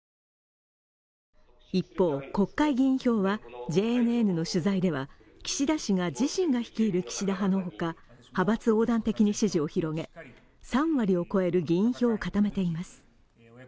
一方、国会議員票はＪＮＮの取材では岸田氏が自身が率いる岸田派のほか、派閥横断的に支持を広げ、３割を超える議員票を固めています。